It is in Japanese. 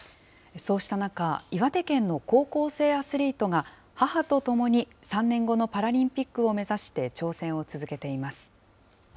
そうした中、岩手県の高校生アスリートが、母とともに３年後のパラリンピックを目指して挑戦を続けています。